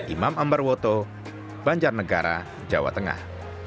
imam ambarwoto banjarnegara jawa tengah